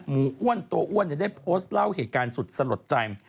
หมูอ้วนตัวอ้วนจะได้โพสต์เล่าเหตุการณ์สุดสะหรับใจ